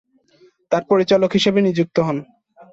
তার পরিচালক হিসেবে নিযুক্ত হন।